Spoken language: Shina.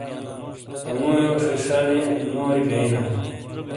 انگوییو ݜیݜا یا نوری بئینا۔